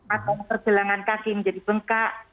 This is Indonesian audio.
atau pergelangan kaki menjadi bengkak